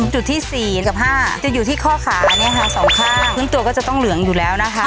จุดที่๔กับ๕จะอยู่ที่ข้อขาเนี่ยค่ะสองข้างพื้นตัวก็จะต้องเหลืองอยู่แล้วนะคะ